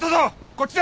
こっちだ！